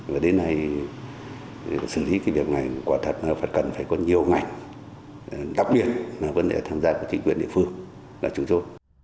và đến nay xử lý cái việc này quả thật là phát cần phải có nhiều ngành đặc biệt là vấn đề tham gia của trịnh quyền địa phương là chủ chối